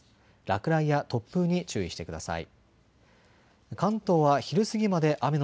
落雷や突風に注意してください。